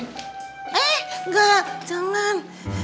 eh enggak jangan